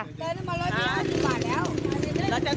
ยิ้มตรงนี้แหละอ๋อ